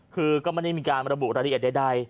คือก็ไม่ได้มีการระบุรายละเอียดใด